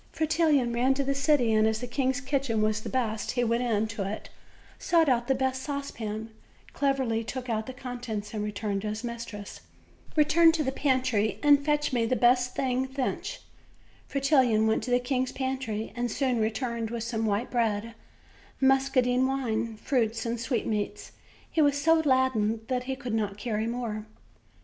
Fretillon ran to the city; and, as the king's kitchen waa the best, he went into it, sought out the best saucepan, cleverly took out the contents, and returned to his mis tress. Rosetta then said to him: "Return to the pantry and fetch me the best thing thence." Fretillon went to the king's pantry, and soon returned with some white bread, muscadine wine, fruits and sweetmeats. He was so laden that he could not carry more.